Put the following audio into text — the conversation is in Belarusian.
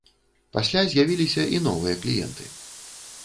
Пасля з'явіліся і новыя кліенты.